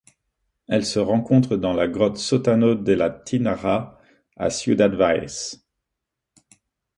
Elle se rencontre dans la grotte Sótano de la Tinaja à Ciudad Valles.